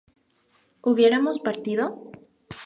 ¿hubiéramos partido?